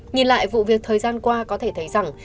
nhìn lại vụ việc thời gian qua có thể thấy rằng